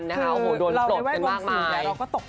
คือเราในว่ายว่างภพศูนย์แหละเราก็ตกใจอยู่ทั้งกัน